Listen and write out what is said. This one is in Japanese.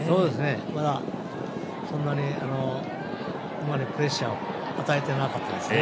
まだ、そんなに馬にプレッシャーを与えてなかったですね。